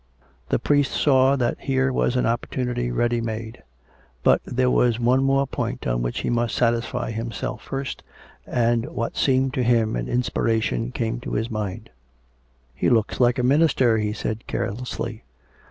The priest saw that here was an opportunity ready made ; but there was one more point on which he must satisfy him self first, and what seemed to him an inspiration came to his mind. " He looks like a minister," he said carelessly.